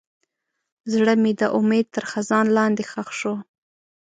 زړه مې د امید تر خزان لاندې ښخ شو.